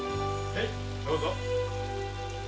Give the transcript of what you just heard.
へいどうぞ。